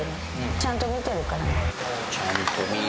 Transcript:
ちゃんと見てるー。